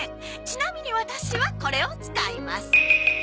ちなみにワタシはこれを使います。